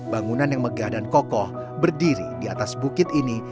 bangunan yang megah dan kokoh berdiri di atas bukit ini